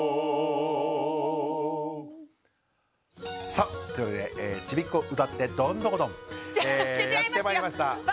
さあというわけで「ちびっこうたってどんどこどん」えやってまいりました。